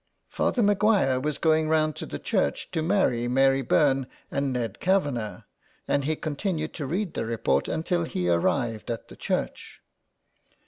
Father Maguire was going round to the church to marry Mary Byrne and Ned Kavanagh, and he continued to read the report until he arrived at the church.